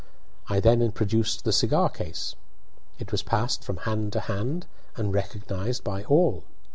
I then produced the cigar case. It was passed from hand to hand, and recognised by all.